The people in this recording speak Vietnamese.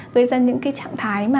với ra những trạng thái mà